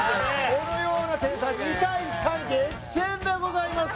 このような点差２対３激戦でございます